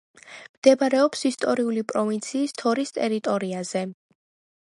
მდებარეობს ისტორიული პროვინციის თორის ტერიტორიაზე.